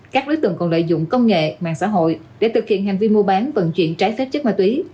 các đối tượng còn lợi dụng công nghệ mạng xã hội để thực hiện hành vi mua bán vận chuyển trái phép chất ma túy